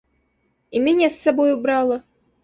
І мяне з сабою брала.